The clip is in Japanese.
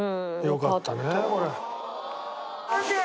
よかったねこれ。